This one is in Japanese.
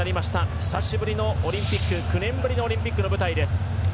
久しぶりのオリンピック９年ぶりのオリンピックの舞台。